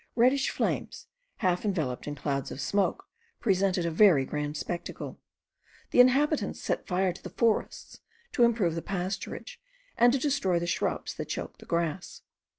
Reddish flames, half enveloped in clouds of smoke, presented a very grand spectacle. The inhabitants set fire to the forests, to improve the pasturage, and to destroy the shrubs that choke the grass.